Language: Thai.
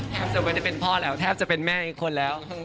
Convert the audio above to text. จะไม่ได้เป็นพ่อแล้วแทบจะเป็นแม่อีกคนแล้ว